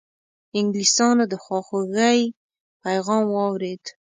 انګلیسیانو د خواخوږی پیغام واورېد.